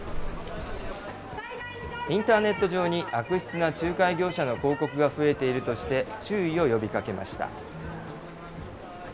インターネット上に悪質な仲介業者の広告が増えているとして、注意を呼びかけました。